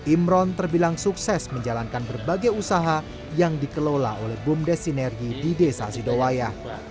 imron terbilang sukses menjalankan berbagai usaha yang dikelola oleh bumdes sinergi di desa sidowaya